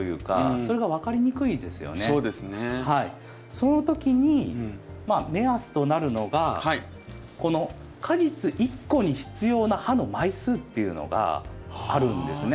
そのときに目安となるのがこの果実１個に必要な葉の枚数っていうのがあるんですね。